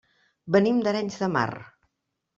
Venim d'Arenys de Mar.